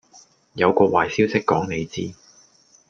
有個壞消息講你知